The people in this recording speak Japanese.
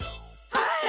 はい！